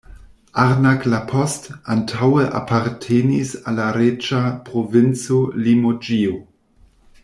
Arnac-la-Poste antaŭe apartenis al la reĝa provinco Limoĝio.